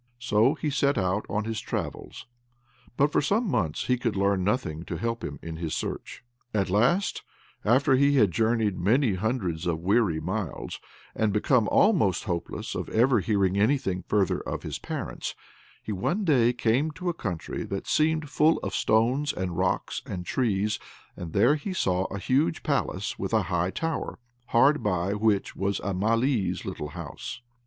So he set out on his travels; but for some months he could learn nothing to help him in his search. At last, after he had journeyed many hundreds of weary miles, and become almost hopeless of ever hearing anything further of his parents, he one day came to a country that seemed full of stones, and rocks, and trees, and there he saw a large palace with a high tower; hard by which was a Malee's little house.